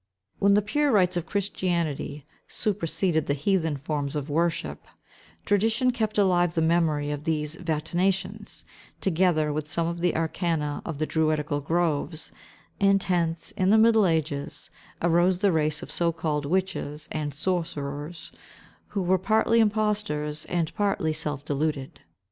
When the pure rites of Christianity seperseded the heathen forms of worship, tradition kept alive the memory of these vaticinations, together with some of the arcana of the druidical groves; and hence, in the middle ages, arose the race of so called witches and sorcerers, who were partly impostors, and partly self deluded.